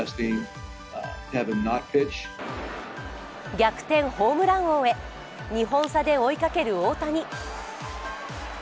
逆転ホームラン王へ、２本差で追いかける大谷。